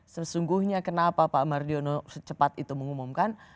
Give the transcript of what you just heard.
sesungguhnya kenapa pak mardiono secepat itu mengumumkan